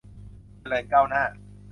เจริญก้าวหน้า